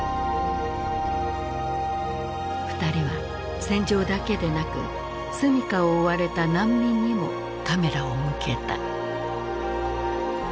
２人は戦場だけでなく住みかを追われた難民にもカメラを向けた。